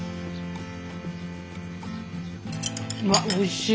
うわっおいしい。